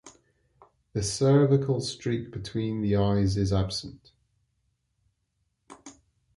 The cervical streak between the eyes is absent.